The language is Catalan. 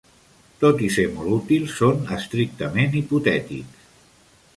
Tot i ser molt útils, són estrictament hipotètics.